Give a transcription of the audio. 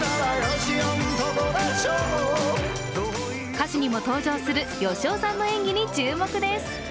歌詞にも登場するヨシオさんの演技に注目です。